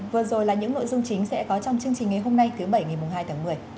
vừa rồi là những nội dung chính sẽ có trong chương trình ngày hôm nay thứ bảy ngày hai tháng một mươi